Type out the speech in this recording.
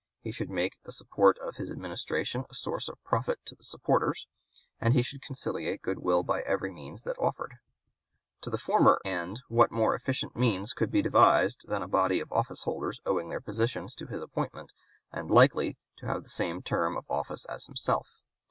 He should make the support of his Administration a source of profit to the supporters; and he should conciliate good will by every means that offered. To the former end what more efficient means could be devised than a body of office holders owing their positions to his appointment and likely to have the same term of office as himself?